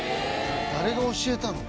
「誰が教えたの？